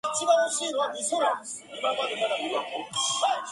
It deals with common Romantic themes of incest and suicide.